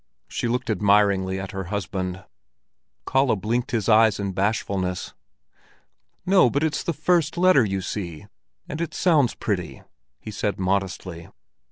She looked admiringly at her husband. Kalle blinked his eyes in bashfulness. "No, but it's the first letter, you see, and it sounds pretty," he said modestly.